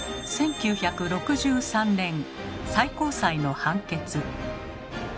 １９６３年最高裁の判決。